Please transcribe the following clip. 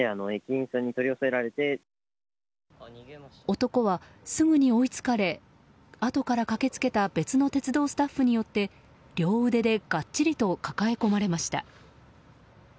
男はすぐに追いつかれあとから駆け付けた別の鉄道スタッフによって両腕でがっちりと抱え込まれました。